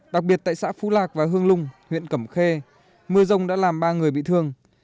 đặc biệt tại xã phú lạc và hương lung huyện cẩm khê mưa rông đã làm ba người bị thương